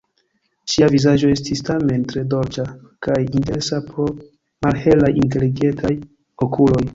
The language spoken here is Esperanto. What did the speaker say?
Ŝia vizaĝo estis tamen tre dolĉa kaj interesa pro malhelaj, inteligentaj okuloj.